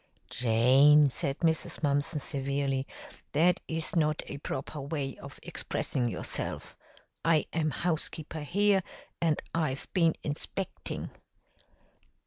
"Jane," said Mrs. Mumpson severely, "that is not a proper way of expressing yourself. I am housekeeper here, and I've been inspecting."